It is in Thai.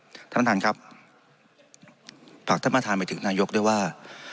ทำธรรมทานครับผ่าทำธรรมทานไปถึงนายกด้วยว่า